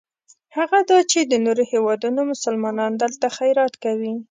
هغه دا چې د نورو هېوادونو مسلمانان دلته خیرات کوي.